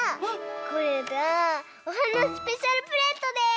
これがおはなスペシャルプレートです！